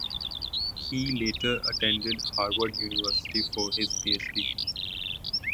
He later attended Harvard University for his PhD.